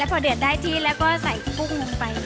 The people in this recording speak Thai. พอเดือดได้ที่แล้วก็ใส่กุ้งลงไป